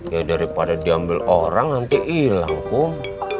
ya daripada diambil orang nanti hilang pun